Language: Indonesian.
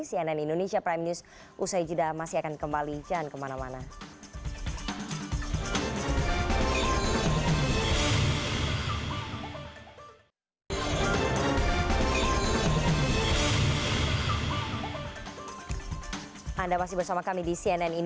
cnn indonesia prime news usai jeda masih akan kembali jangan kemana mana